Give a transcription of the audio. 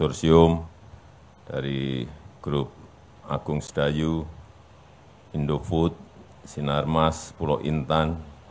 konsorsium dari grup agung sedayu indofood sinarmas pulau intan